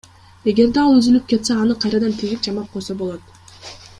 Эгерде ал үзүлүп кетсе аны кайрадан тигип, жамап койсо болот.